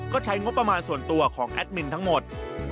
ก็ใช้งบประมาณส่วนตัวของแอดมินทั้งหมด